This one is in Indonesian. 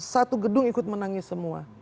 satu gedung ikut menangis semua